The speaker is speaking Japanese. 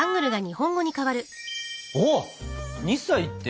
おっ「二歳」って？